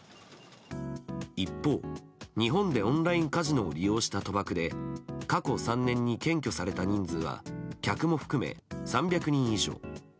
一方、日本でオンラインカジノを利用した賭博で過去３年に検挙された人数は客も含め３００人以上。